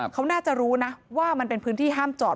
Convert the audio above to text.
เขาน่าจะรู้นะว่ามันเป็นพื้นที่ห้ามจอด